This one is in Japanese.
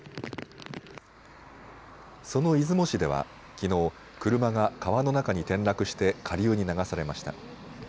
その出雲市ではきのう車が川の中に転落して下流に流されました。